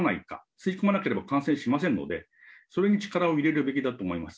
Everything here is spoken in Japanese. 吸い込まなければ感染しませんので、それに力を入れるべきだと思います。